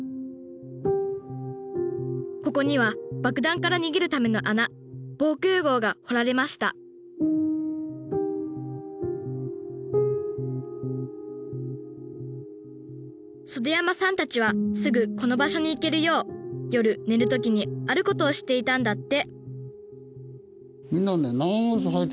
ここには爆弾から逃げるための穴防空壕が掘られました袖山さんたちはすぐこの場所に行けるよう夜寝る時にあることをしていたんだって